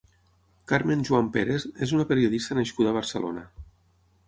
Carmen Juan Pérez és una periodista nascuda a Barcelona.